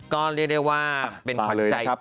ก็เรียกได้ว่าเป็นขวัญใจ